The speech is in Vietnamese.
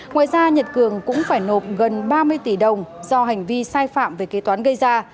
ngoài ra nhật cường cũng phải nộp gần ba mươi tỷ đồng do hành vi sai phạm về kế toán gây ra